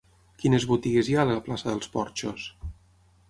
Quines botigues hi ha a la plaça dels Porxos?